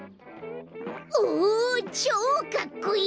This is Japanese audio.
おちょうかっこいい！